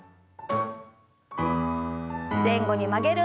前後に曲げる運動です。